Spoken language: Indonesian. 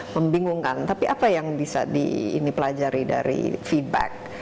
membingungkan tapi apa yang bisa dipelajari dari feedback